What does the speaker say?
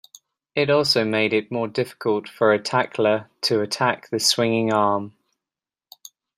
This also made it more difficult for a tackler to attack the swinging arm.